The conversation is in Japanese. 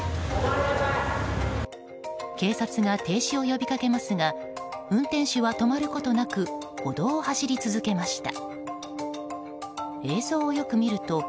警察が停止を呼びかけますが運転手は止まることなく歩道を走り続けました。